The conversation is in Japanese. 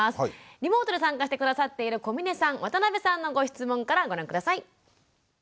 リモートで参加して下さっている小峰さん渡邊さんのご質問からご覧下さい。